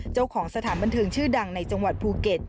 เจ้าของสถานบันเทิงชื่อดังในจังหวัดภูเก็ต